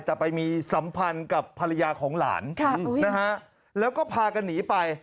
แต่ไปมีสัมพันธ์กับภรรยาของหลานนะฮะแล้วก็พากันหนีไป